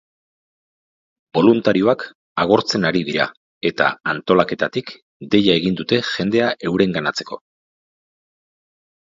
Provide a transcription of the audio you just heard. Boluntarioak agortzen ari dira eta antolaketatik deia egin dute jendea eurenganatzeko.